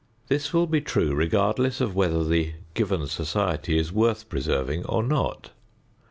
This will be true regardless of whether the given society is worth preserving or not.